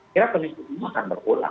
kira penipu semua akan berulang